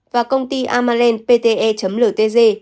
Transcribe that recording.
và công ty amalen pte ltg